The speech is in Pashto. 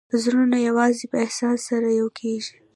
زړونه یوازې په احساس سره یو کېږي.